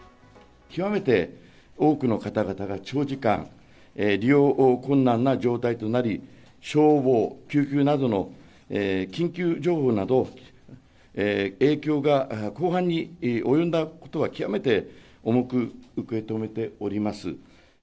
極めて多くの方々が長時間、利用困難な状態となり、消防、救急などの緊急情報など、影響が広範に及んだことは、極めて重く受け止めております。